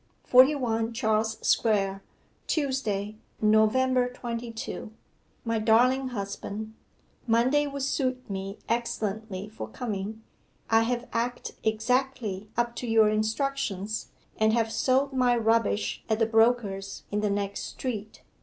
'41 CHARLES SQUARE, Tuesday, November 22. 'MY DARLING HUSBAND, Monday will suit me excellently for coming. I have acted exactly up to your instructions, and have sold my rubbish at the broker's in the next street.